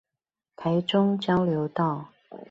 台中交流道